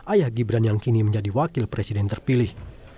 ayah gibran yang kini menjadi wakil presiden terpilih